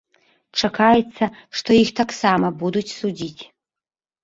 Чакаецца, што іх таксама будуць судзіць.